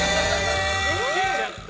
出ちゃった。